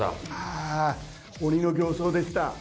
あー、鬼の形相でした。